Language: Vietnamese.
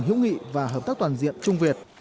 hữu nghị và hợp tác toàn diện trung việt